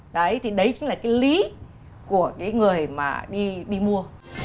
đấy thì đấy chính là cái lý của cái người mà đi mua